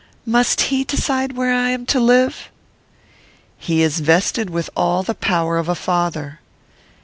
"Must he decide where I am to live?" "He is vested with all the power of a father."